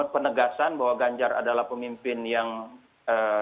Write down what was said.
penegasan bahwa ganjar adalah pemimpin yang cocok untuk melanjutkan pembangunan jokowi